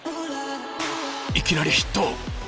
いきなりヒット！